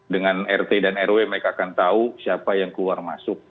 dengan rt dan rw mereka akan tahu siapa yang keluar masuk